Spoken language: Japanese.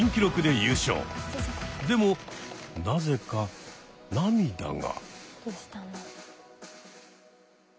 でもなぜか涙が。